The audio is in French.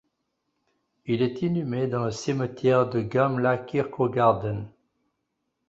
Il est inhumé dans le cimetière Gamla kyrkogården.